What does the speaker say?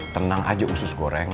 tenang aja usus goreng